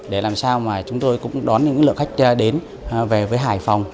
để làm sao mà chúng tôi cũng đón những lượng khách đến về với hải phòng